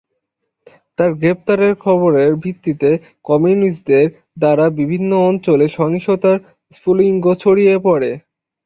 তার গ্রেফতারের খবরের ভিত্তিতে কমিউনিস্টদের দ্বারা বিভিন্ন অঞ্চলে সহিংসতার স্ফুলিঙ্গ ছড়িয়ে পড়ে।